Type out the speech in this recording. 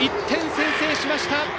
１点を先制しました。